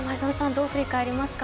どう振り返りますか？